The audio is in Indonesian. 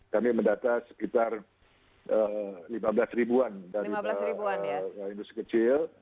kami mendata sekitar lima belas ribuan dari industri kecil